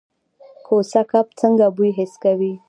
کوسه کب څنګه بوی حس کوي؟